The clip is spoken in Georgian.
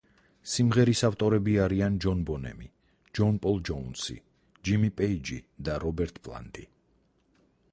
სიმღერის ავტორები არიან ჯონ ბონემი, ჯონ პოლ ჯოუნსი, ჯიმი პეიჯი და რობერტ პლანტი.